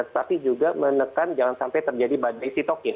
tapi juga menekan jangan sampai terjadi badai sitokin